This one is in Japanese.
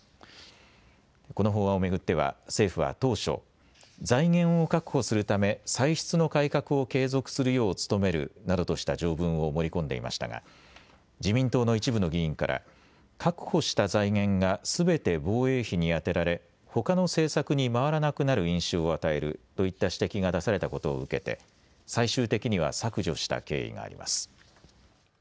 この法案を巡っては政府は当初、財源を確保するため歳出の改革を継続するよう努めるなどとした条文を盛り込んでいましたが自民党の一部の議員から確保した財源がすべて防衛費に充てられほかの政策に回らなくなる印象を与えるといった指摘が出されたことを受けて最終的には削除した経緯があります。